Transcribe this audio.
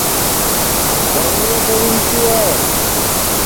گرمئیں کے دِؔن تِیے